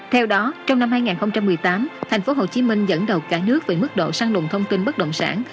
theo đó trong năm hai nghìn một mươi tám tp hcm dẫn đầu cả nước về mức độ săn lùng thông tin bất động sản